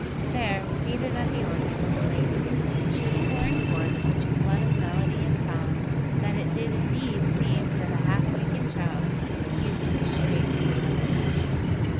There, seated at the organ, was a lady, and she was pouring forth such a flood of melody and song that it did indeed seem to the half wakened child music straight from heaven.